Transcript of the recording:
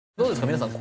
皆さん。